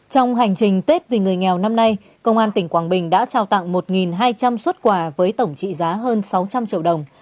trong hành trình tết vì người nghèo năm nay công an tỉnh quảng bình đã trao tặng một hai trăm linh xuất quà với tổng trị giá hơn sáu trăm linh triệu đồng